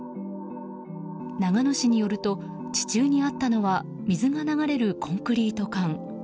長野市によると地中にあったのは水が流れるコンクリート管。